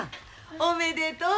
おめでとう。